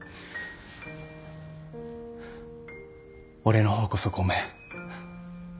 俺の方こそごめん。